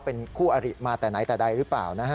เป็นคู่อริมาแต่ไหนแต่ใดหรือเปล่านะฮะ